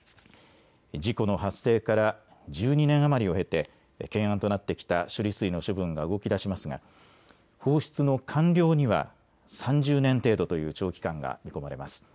事故の発生から１２年余りを経て懸案となってきた処理水の処分が動き出しますが放出の完了には３０年程度という長期間が見込まれます。